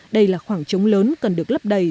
đây là khoảng trống lớn cần được lấp đầy